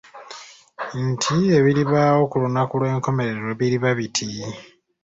Nti ebiribaawo ku lunaku lw'enkomerero biriba biti